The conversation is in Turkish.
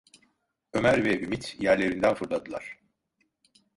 Ömer ve Ümit yerlerinden fırladılar.